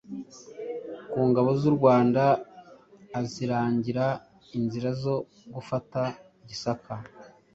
ku ngabo z’u Rwanda azirangira inzira zo gufata i Gisaka